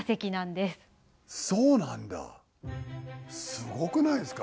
すごくないですか？